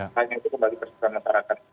hanya itu kembali persoalan masyarakat